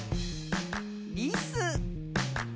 リス。